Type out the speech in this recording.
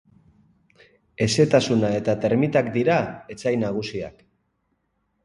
Hezetasuna eta termitak dira etsai nagusiak.